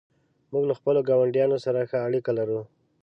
موږ له خپلو ګاونډیانو سره ښه اړیکه لرو.